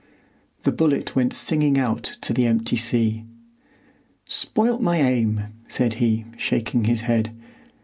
The bullet went singing out to the empty sea. "Spoilt my aim," said he, shaking his head.